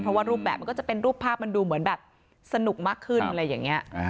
เพราะว่ารูปแบบมันก็จะเป็นรูปภาพมันดูเหมือนแบบสนุกมากขึ้นอะไรอย่างนี้